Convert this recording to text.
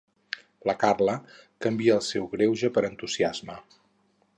La Carla canvia el seu greuge per entusiasme.